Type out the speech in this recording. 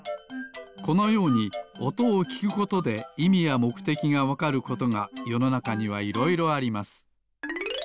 このようにおとをきくことでいみやもくてきがわかることがよのなかにはいろいろあります。